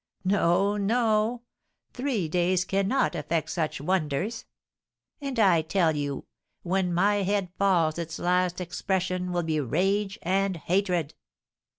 No, no, three days cannot effect such wonders; and I tell you, when my head falls its last expression will be rage and hatred!"